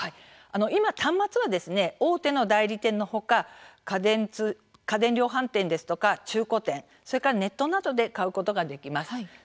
今、端末は大手代理店の他家電量販店ですとか中古店、それからネットなどで買うことができます。